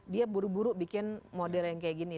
dia buru buru bikin model yang kayak gini